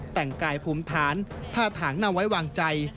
แต่งกายภูมิฐานท่าทางน่าไว้วางใจ